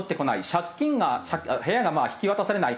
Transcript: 借金が部屋がまあ引き渡されない。